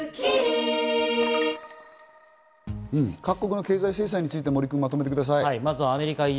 各国の経済制裁についてまとめてください。